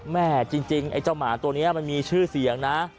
แม่จริงไอ้เจ้าหมาตัวนี้มันมีชื่อเสียงนะ